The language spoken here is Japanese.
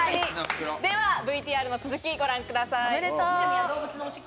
では、ＶＴＲの続きご覧ください。